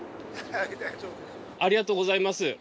ありがとうございます。